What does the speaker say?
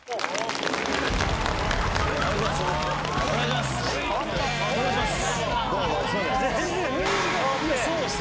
お願いします。